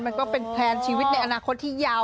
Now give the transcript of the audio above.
มันก็เป็นแพลนชีวิตในอนาคตที่ยาว